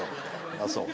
あっそう。